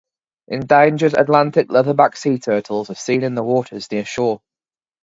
Endangered Atlantic leatherback sea turtles are seen in the waters near shore.